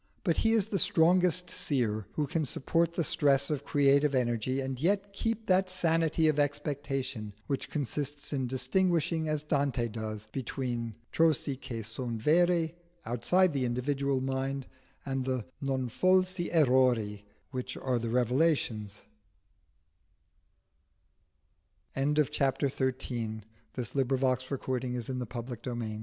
But he is the strongest seer who can support the stress of creative energy and yet keep that sanity of expectation which consists in distinguishing, as Dante does, between the cose che son vere outside the individual mind, and the non falsi errori which are the revelations of true imaginative power. XIV. THE TOO READY W